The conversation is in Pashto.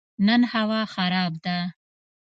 نن هوا خراب ده